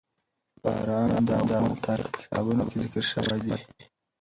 باران د افغان تاریخ په کتابونو کې ذکر شوی دي.